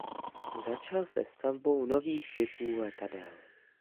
Začal také se stavbou nových typů letadel.